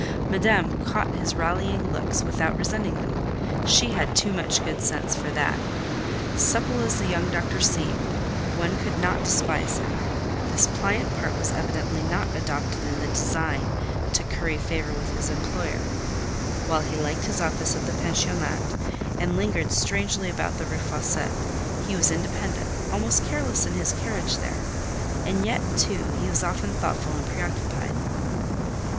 Madame caught his rallying looks without resenting them—she had too much good sense for that. Supple as the young doctor seemed, one could not despise him—this pliant part was evidently not adopted in the design to curry favour with his employer: while he liked his office at the pensionnat, and lingered strangely about the Rue Fossette, he was independent, almost careless in his carriage there; and yet, too, he was often thoughtful and preoccupied.